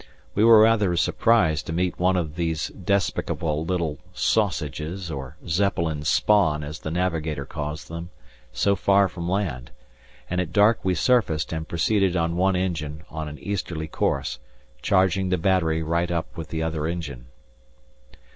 We were rather surprised to meet one of these despicable little sausages or "Zeppelin's Spawn," as the navigator calls them, so far from land, and at dark we surfaced and proceeded on one engine on an easterly course, charging the battery right up with the other engine.